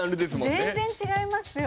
全然違いますよ。